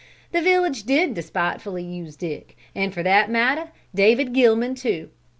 The village did despitefully use Dick, and for that matter, David Gilman too.